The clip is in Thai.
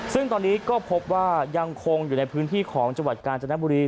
ซึ่งตอนนี้ก็พบว่ายังคงอยู่ในพื้นที่ของจังหวัดกาญจนบุรี